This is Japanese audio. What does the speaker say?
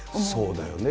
そうだよね。